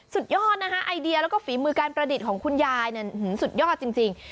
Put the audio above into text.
สุดยอดนะคะไอเดียแล้วก็ฝีมือการประดิษฐ์ของคุณยายสุดยอดจริง